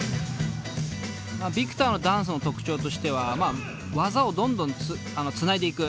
Ｖｉｃｔｏｒのダンスの特徴としては技をどんどんつないでいく。